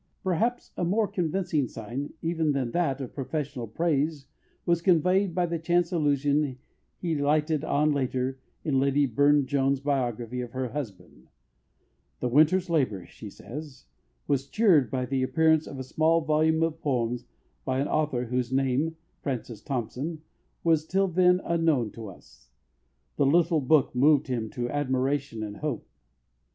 Perhaps a more convincing sign even than that of professional praise was conveyed by the chance allusion he lighted on later in Lady Burne Jones's biography of her husband: "The winter's labour," she says, "was cheered by the appearance of a small volume of poems by an author whose name (Francis Thompson) was till then unknown to us. The little book moved him to admiration and hope."